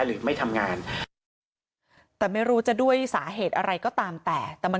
หรือไม่ทำงานแต่ไม่รู้จะด้วยสาเหตุอะไรก็ตามแต่แต่มัน